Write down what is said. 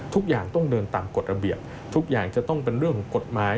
ทุกอย่างต้องเดินตามกฎระเบียบทุกอย่างจะต้องเป็นเรื่องของกฎหมาย